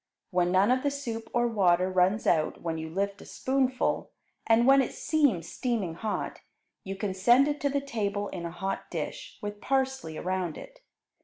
When none of the soup or water runs out when you lift a spoonful, and when it seems steaming hot, you can send it to the table in a hot dish, with parsley around it.